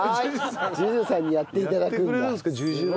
ＪＵＪＵさんにやって頂くんだ。